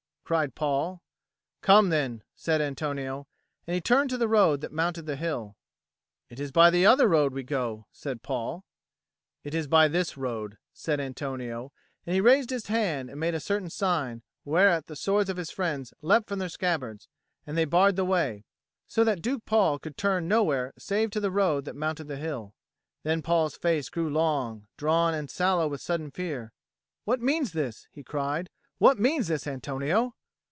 cried Paul. "Come, then," said Antonio, and he turned to the road that mounted the hill. "It is by the other road we go," said Paul. "It is by this road," said Antonio, and he raised his hand and made a certain sign, whereat the swords of his friends leapt from their scabbards, and they barred the way, so that Duke Paul could turn nowhere save to the road that mounted the hill. Then Paul's face grew long, drawn, and sallow with sudden fear. "What means this?" he cried. "What means this, Antonio?"